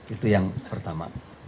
itu yang pertama